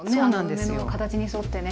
梅の形に沿ってね。